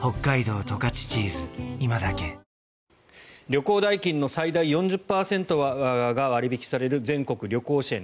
旅行代金の最大４０％が割引される全国旅行支援